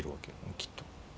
きっと。